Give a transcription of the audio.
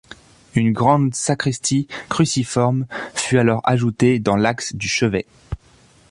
Une grande sacristie cruciforme fut alors ajoutée dans l'axe du chevet.